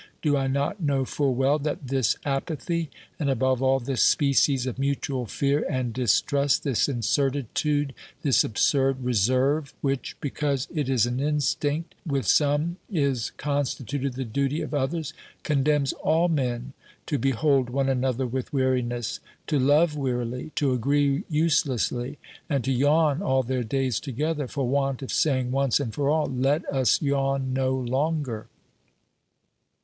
Do I not know full well that this apathy, and above all this species of mutual fear and dis trust, this incertitude, this absurd reserve, which, because it is an instinct with some is constituted the duty of others, condemns all men to behold one another with weariness, to love wearily, to agree uselessly, and to yawn all their days together, for want of saying once and for all : Let us yawn no longer